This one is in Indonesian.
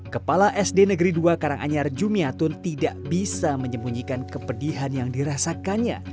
kepala sd negeri dua karanganyar jumiatun tidak bisa menyembunyikan kepedihan yang dirasakannya